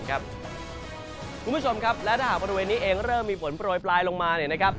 คุณผู้ชมครับและถ้าหากประเวณนี้เองเริ่มมีฝนโปรยไปรล่ายลงมา